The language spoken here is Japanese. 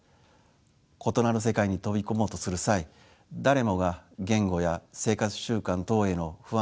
異なる世界に飛び込もうとする際誰もが言語や生活習慣等への不安を感じることでしょう。